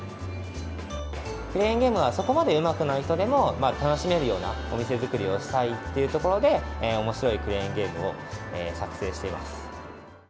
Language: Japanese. クレーンゲームがそこまでうまくない人でも楽しめるようなお店作りをしたいっていうところで、おもしろいクレーンゲームを作製しています。